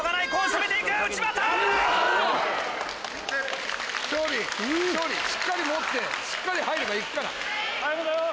昇利しっかり持ってしっかり入れば行くから。